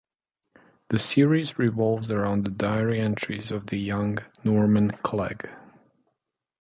The series revolves around the diary entries of the young Norman Clegg.